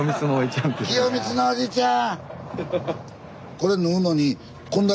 清光のおいちゃん。